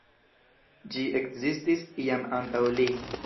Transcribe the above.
Ĝi ekzistis jam antaŭ li.